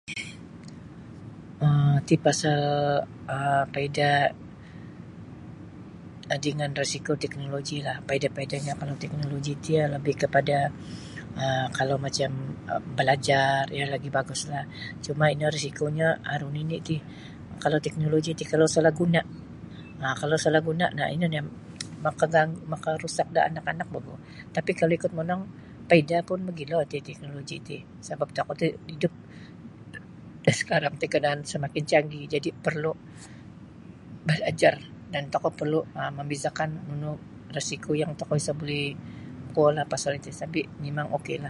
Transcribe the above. um ti pasal um paidah dengan risiko teknolojilah paidah-paidahnyo kalau teknoloji ti iyo lebih kepada um kalau macam pelajar iyo lagi' baguslah cuma' ino risikonyo aru nini' ti kalau teknoloji ti kalau salah guna' um kalau salah guna' nah ino nio makaganggu makarusak da anak-anak bogu tapi' kalau ikut monong paidah pun mogilo ti teknoloji ti sabap tokou ti hidup sakarang ti keadaan semakin canggih jadi' perlu' balajar dan tokou perlu' um membezakan nunu risiko yang tokou isa buli kuolah pasal iti tapi' mimang ok lah.